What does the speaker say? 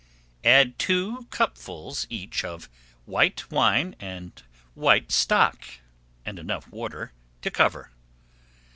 Add two cupfuls each of white wine and white stock and enough water to cover.